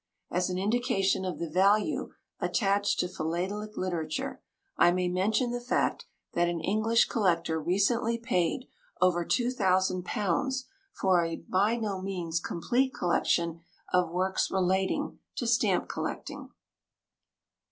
As an indication of the value attached to philatelic literature, I may mention the fact that an English collector recently paid over £2,000 for a by no means complete collection of works relating to stamp collecting.